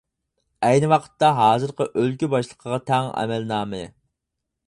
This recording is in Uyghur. ئەينى ۋاقىتتا ھازىرقى ئۆلكە باشلىقىغا تەڭ ئەمەل نامى.